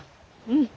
うん。